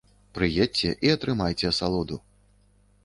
Прыедзьце і атрымайце асалоду!